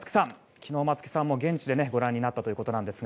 昨日、松木さんも現地でご覧になったということですが